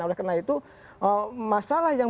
oleh karena itu masalah yang